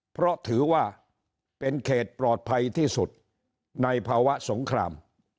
เพราะถือว่าเป็นเขตปลอดภัยที่สุดในภาวะสงคราม